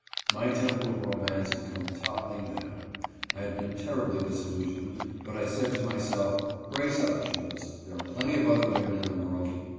My temple of romance had come toppling down. I had been terribly disillusioned. But I said to myself: "Brace up, Jules. There are plenty of other women in the world."